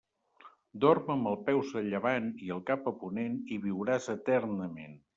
Dorm amb els peus a llevant i el cap a ponent i viuràs eternament.